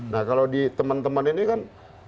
nah kalau di teman teman ini kan